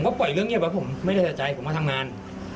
แล้วก็ผมก็ปล่อยเรื่องเงียบแล้วผมไม่ได้สะใจผมก็ทำงาน